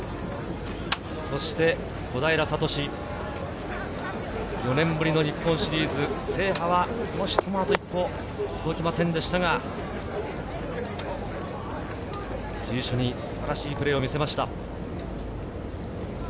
そして小平智、４年ぶりの日本シリーズ制覇はあと一歩届きませんでしたが、随所に素晴らしいプレーを見せました。